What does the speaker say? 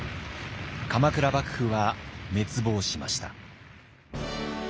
鎌倉幕府は滅亡しました。